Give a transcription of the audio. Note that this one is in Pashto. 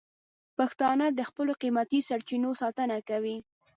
پښتانه د خپلو قیمتي سرچینو ساتنه کوي.